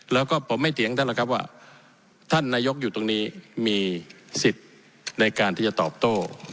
แล้วก็ผมไม่เถียงท่านหรอกครับว่าท่านนายกอยู่ตรงนี้มีสิทธิ์ในการที่จะตอบโต้